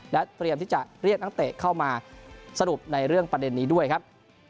และเตรียมที่จะเรียกนักเตะเข้ามาสรุปในเรื่องประเด็นนี้ด้วยครับ